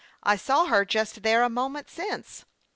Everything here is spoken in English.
" I saw her just there a moment since."